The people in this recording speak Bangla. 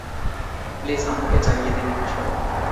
প্লিজ, আম্মুকে জাগিয়ে দিন, মহাশয়।